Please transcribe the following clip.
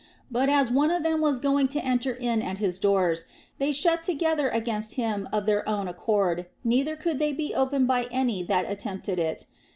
But as one of them was going to enter in at his doors, they shut together against him of their own accord, neither could they be opened by any that attempted it.